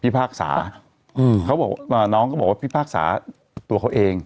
เอ่อพี่ภาคสาอืมเขาบอกอ่าน้องก็บอกว่าพี่ภาคสาตัวเขาเอง